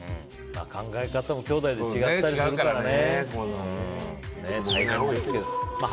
考え方もきょうだいで違ったりするからね。